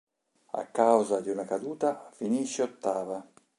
A causa di una caduta, finisce ottava.